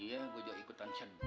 iya gue juga ikutan sedih